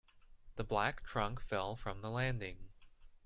The black trunk fell from the landing.